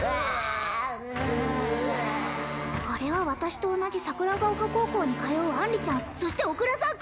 ううあれは私と同じ桜ヶ丘高校に通う杏里ちゃんそして小倉さん！？